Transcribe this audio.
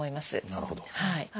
なるほど。